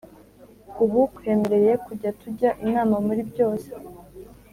ubu kwemereye kujya tujya inama muri byose